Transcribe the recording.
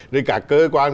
rồi cả cơ quan